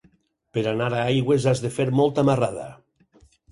Per anar a Aigües has de fer molta marrada.